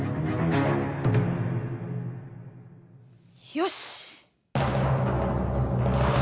よし！